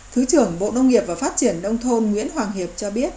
thứ trưởng bộ nông nghiệp và phát triển đông thôn nguyễn hoàng hiệp cho biết